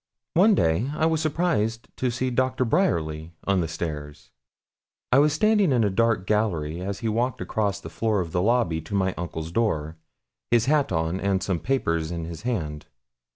One day I was surprised to see Doctor Bryerly on the stairs. I was standing in a dark gallery as he walked across the floor of the lobby to my uncle's door, his hat on, and some papers in his hand.